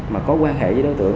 mà có quan hệ với đối tượng